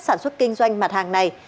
sản xuất kinh doanh mặt hàng này